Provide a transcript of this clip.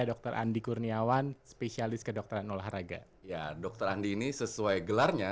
dokter andi kurniawan spesialis kedokteran olahraga ya dokter andi ini sesuai gelarnya